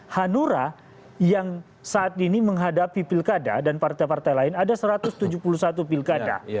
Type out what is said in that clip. hanura yang saat ini menghadapi pilkada dan partai partai lain ada satu ratus tujuh puluh satu pilkada